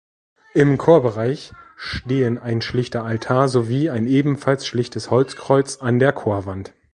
Im Chorbereich stehen ein schlichter Altar sowie ein ebenfalls schlichtes Holzkreuz an der Chorwand.